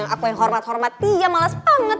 aku yang hormat hormat dia males banget